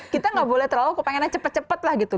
kita gak boleh terlalu kepengennya cepat cepat lah gitu